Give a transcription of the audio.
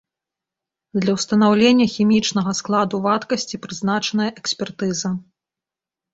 Для ўстанаўлення хімічнага складу вадкасці прызначаная экспертыза.